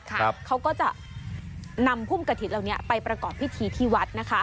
เขาก็จะนำพุ่มกระถิ่นเหล่านี้ไปประกอบพิธีที่วัดนะคะ